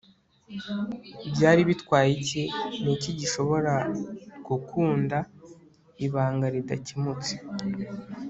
byari bitwaye iki? niki gishobora gukunda, ibanga ridakemutse